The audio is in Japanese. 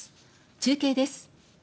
中継です。